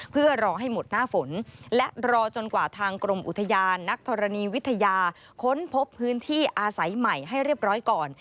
เพื่อรอให้หมดหน้าฝนและรอจนกว่าทางกรมอุทยานนักธรณีวิทยาค้นพบพื้นที่อาศัยใหม่ให้เรียบร้อยก่อน